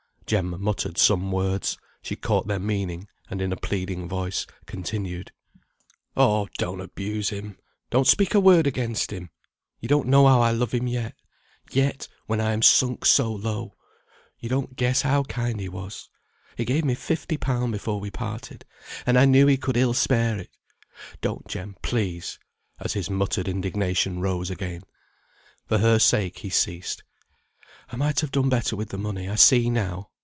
Jem muttered some words; she caught their meaning, and in a pleading voice continued, "Oh, don't abuse him; don't speak a word against him! You don't know how I love him yet; yet, when I am sunk so low. You don't guess how kind he was. He gave me fifty pound before we parted, and I knew he could ill spare it. Don't, Jem, please," as his muttered indignation rose again. For her sake he ceased. "I might have done better with the money; I see now.